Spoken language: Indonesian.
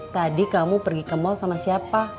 tadi kamu pergi ke mall sama siapa